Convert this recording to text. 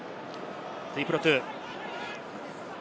トゥイプロトゥ。